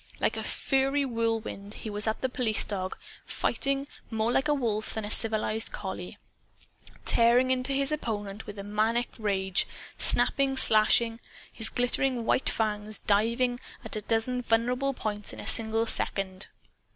Like a furry whirlwind he was at the police dog, fighting more like a wolf than a civilized collie tearing into his opponent with a maniac rage, snapping, slashing; his glittering white fangs driving at a dozen vulnerable points in a single second.